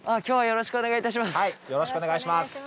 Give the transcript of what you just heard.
今日はよろしくお願い致します。